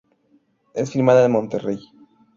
Es filmada en Monterrey.